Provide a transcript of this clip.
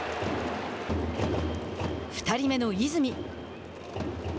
２人目の泉。